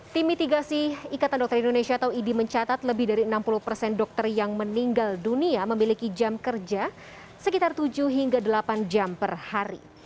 tim mitigasi ikatan dokter indonesia atau idi mencatat lebih dari enam puluh persen dokter yang meninggal dunia memiliki jam kerja sekitar tujuh hingga delapan jam per hari